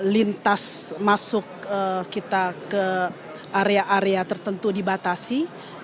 lintas masuk kita ke area area tertentu dibatasi